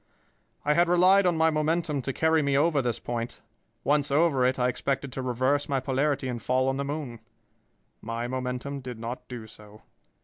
"I had relied on my momentum to carry me over this point. Once over it, I expected to reverse my polarity and fall on the moon. My momentum did not do so.